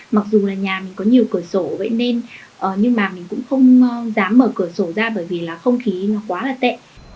mặc dù là nhà mình có nhiều cửa sổ vậy nên nhưng mà mình cũng không dám mở cửa sổ ra bởi vì là không khí nó quá là tệ